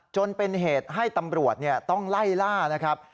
จนเป็นเหตุให้ตำรวจต้องไล่ล่านะครับ